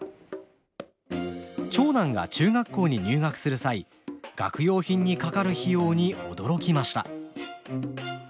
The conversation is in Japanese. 長男が中学校に入学する際学用品にかかる費用に驚きました。